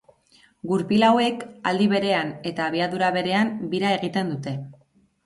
Gurpil hauek, aldi berean eta abiadura berean bira egiten dute.